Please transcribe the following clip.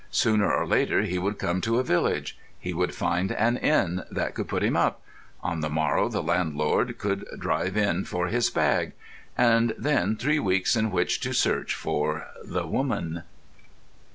Sooner or later he would come to a village; he would find an inn that could put him up; on the morrow the landlord could drive in for his bag.... And then three weeks in which to search for the woman.